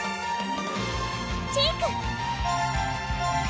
チーク！